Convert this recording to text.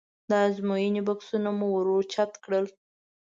د ازموینې بکسونه مو ور اوچت کړل.